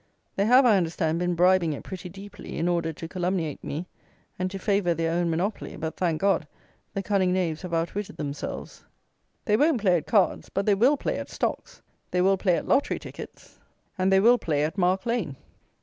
They have, I understand, been bribing it pretty deeply, in order to calumniate me, and to favour their own monopoly, but, thank God, the cunning knaves have outwitted themselves. They won't play at cards; but they will play at Stocks; they will play at Lottery Tickets, and they will play at Mark lane.